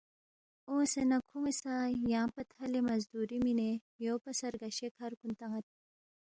اونگسے نہ کھون٘ی سہ یانگ پا تھلے مزدُوری مِنے یو پا سہ رگشے کَھر کُن تان٘ید